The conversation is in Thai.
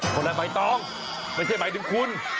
คนแรกใบตองไม่ใช่ใบถึงคุณ